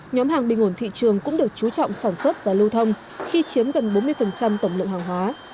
nhóm hàng bình ổn thị trường cũng được chú trọng sản xuất và lưu thông khi chiếm gần bốn mươi tổng lượng hàng hóa